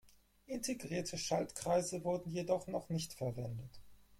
Integrierte Schaltkreise wurden jedoch noch nicht verwendet.